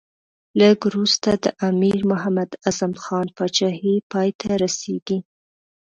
لږ وروسته د امیر محمد اعظم خان پاچهي پای ته رسېږي.